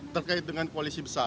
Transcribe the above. terkait dengan koalisi besar